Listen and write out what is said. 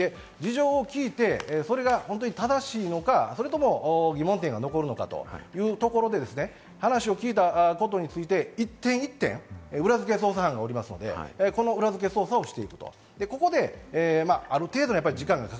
聞いて、それが本当に正しいのか、それとも疑問点が残るのか？というところで話を聞いたことについて、一点一点、裏付け、裏付け捜査班がおりますので、裏付け捜査をしていく。